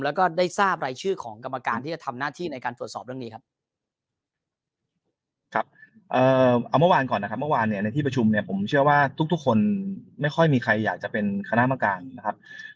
แล้วก็ได้ทราบรายชื่อของกรรมการที่จะทำหน้าที่ในการตรวจสอบเรื่องนี้ครับ